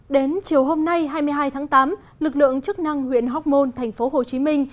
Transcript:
đến chiều hôm nay hai mươi hai tháng tám lực lượng chức năng huyện hóc môn thành phố hồ chí minh